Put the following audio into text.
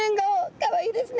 かわいいですよね。